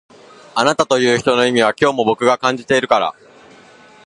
あなたという人の意味は今日も僕が感じてるから